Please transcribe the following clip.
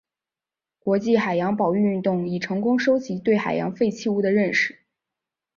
国际海洋保育运动已成功收集对海洋废弃物的认识。